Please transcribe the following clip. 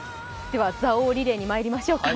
では、蔵王リレーにまいりましょうか。